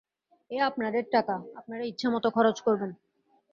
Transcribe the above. এ আপনাদের টাকা, আপনারা ইচ্ছামত খরচ করবেন।